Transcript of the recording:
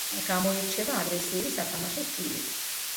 გამოირჩევა აგრესიული სათამაშო სტილით.